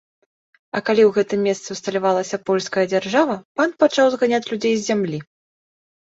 А калі ў гэтым месцы ўсталявалася польская дзяржава, пан пачаў зганяць людзей з зямлі.